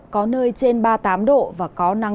có nơi trên ba mươi tám độ và có nắng